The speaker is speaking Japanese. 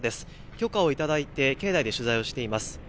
許可をいただいて、境内で取材をしています。